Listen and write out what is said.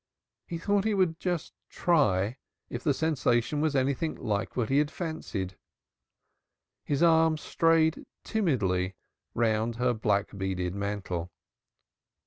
He thought he would just try if the sensation was anything like what he had fancied. His arm strayed timidly round her black beaded mantle.